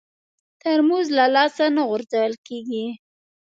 ترموز له لاسه نه غورځول کېږي.